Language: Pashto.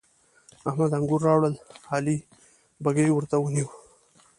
احمد انګور راوړل؛ علي بږۍ ورته ونيو.